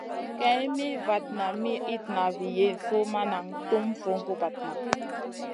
Kay mi vatna mi itna vi Yezu ma nan tum vun bra-bradna.